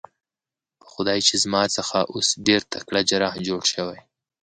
په خدای چې زما څخه اوس ډېر تکړه جراح جوړ شوی.